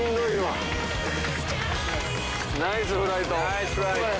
ナイスフライト。